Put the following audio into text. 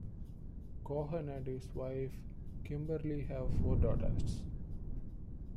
Cahoon and his wife, Kimberly have four daughters.